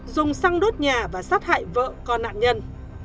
dùng xăng đốt nhà và sát hại vợ con nạn nhân